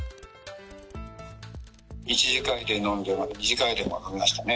１次会で飲んで、２次会でも飲みましたね。